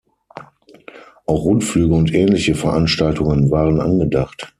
Auch Rundflüge und ähnliche Veranstaltungen waren angedacht.